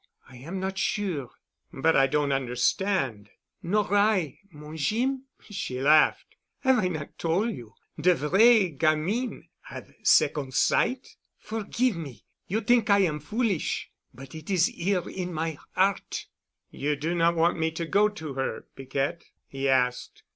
I am not sure——" "But I don't understand——" "Nor I, mon Jeem," she laughed. "'Ave I not tol' you de vrai gamine 'ave secon' sight? Forgive me. You t'ink I am foolish. But it is 'ere in my 'eart——" "You do not want me to go to her, Piquette?" he asked.